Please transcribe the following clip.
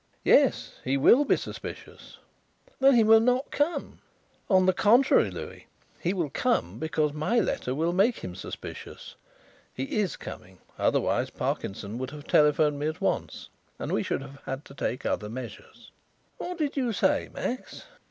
"Yes, he will be suspicious." "Then he will not come." "On the contrary, Louis, he will come because my letter will make him suspicious. He is coming; otherwise Parkinson would have telephoned me at once and we should have had to take other measures." "What did you say, Max?"